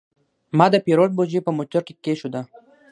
ما د پیرود بوجي په موټر کې کېښوده.